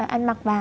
anh mặc và